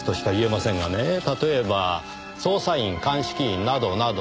例えば捜査員鑑識員などなど。